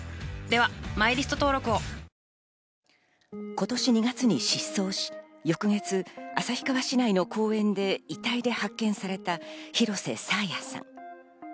今年２月に失踪し、翌月、旭川市内の公園で遺体で発見された廣瀬爽彩さん。